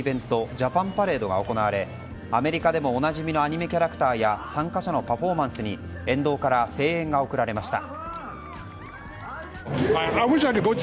ジャパンパレードが行われアメリカでもおなじみのアニメキャラクターや参加者のパフォーマンスに沿道から声援が送られました。